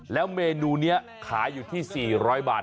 แล้วเมนูนี้ขายอยู่ที่๔๐๐บาท